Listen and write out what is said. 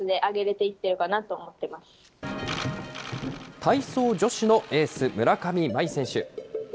体操女子のエース、村上茉愛選手。